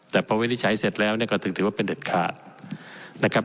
แต่พอวินิจฉัยเสร็จแล้วเนี่ยก็ถึงถือว่าเป็นเด็ดขาดนะครับ